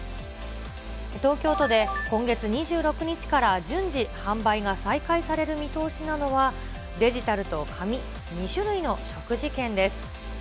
東京都で今月２６日から順次、販売が再開される見通しなのは、デジタルと紙、２種類の食事券です。